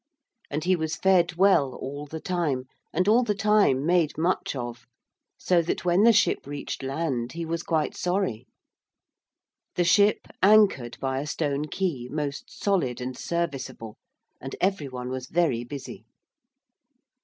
And he was fed well all the time, and all the time made much of, so that when the ship reached land he was quite sorry. The ship anchored by a stone quay, most solid and serviceable, and every one was very busy.